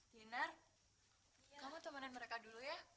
linar kamu temenin mereka dulu ya